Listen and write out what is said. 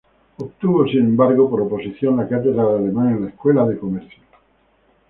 Obtuvo sin embargo por oposición la cátedra de alemán en la Escuela de Comercio.